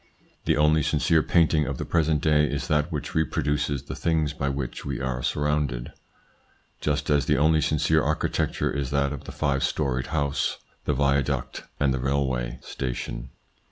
The only sincere painting of the present day is that which reproduces the things by which we are sur rounded, just as the only sincere architecture is that of the five storied house, the viaduct, and the railway station.